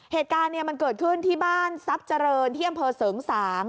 เหตุการณ์มันเกิดขึ้นที่บ้านทรัพย์เจริญที่อำเภอเสริงสาง